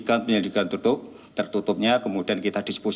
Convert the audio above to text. dan kalau jadikan nggak terhadap lepasan alert